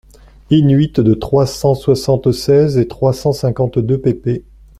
in-huit de trois cent soixante-seize et trois cent cinquante-deux pp.